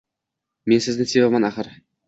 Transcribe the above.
Men sizni sevaman axir.